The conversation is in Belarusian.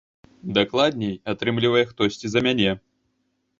Дакладней, атрымлівае хтосьці за мяне.